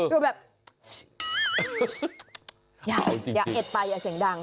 ดูแบบอย่าเอ็ดไปอย่าเสียงดัง